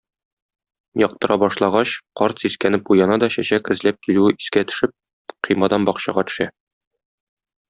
Яктыра башлагач, карт сискәнеп уяна да чәчәк эзләп килүе искә төшеп, коймадан бакчага төшә.